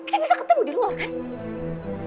saya bisa ketemu di luar kan